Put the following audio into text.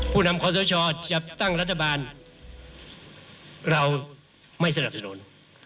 นำขอสชจะตั้งรัฐบาลเราไม่สนับสนุน